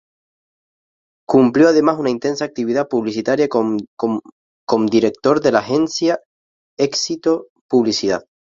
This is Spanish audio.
Cumplió además una intensa actividad publicitaria com Director de la agencia "Éxito Publicidad".